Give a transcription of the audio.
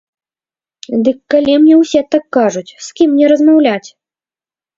Дык калі мне ўсе так кажуць, з кім мне размаўляць?